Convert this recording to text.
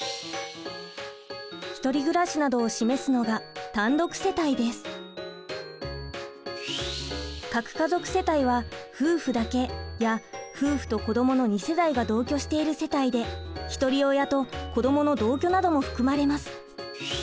１人暮らしなどを示すのが核家族世帯は夫婦だけや夫婦と子どもの２世代が同居している世帯で一人親と子どもの同居なども含まれます。